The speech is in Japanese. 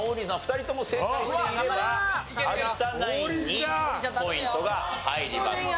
２人とも正解していれば有田ナインにポイントが入ります。